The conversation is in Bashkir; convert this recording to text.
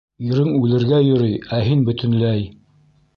Ирең үлергә йөрөй, ә һин бөтөнләй...